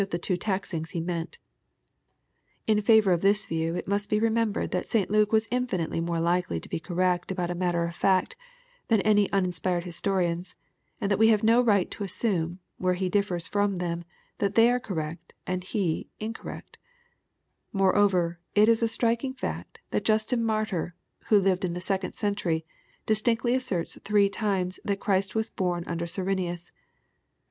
tLe two taxings he meant In favor of this view, it mnst be remembered that St Luke was infinitely more hkely to be cor rect about a matter of fact, than any uninspired historians, and that we have no right to assume, where he differs from them, that they are correct, and he incorrect Moreover, it is a striking fact, that Justin Martyr, who lived in the second century, distinctly asserts three times that Christ was boni under Cyrenius.